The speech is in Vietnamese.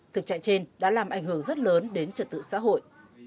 thực trạng trên đã làm ảnh hưởng rất lớn đến trật tự xã hội